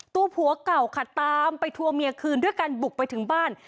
ตัวผัวเก่าค่ะตามไปทัวร์เมียคืนด้วยการบุกไปถึงบ้าน